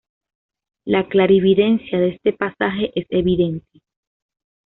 La clarividencia de este pasaje es evidente.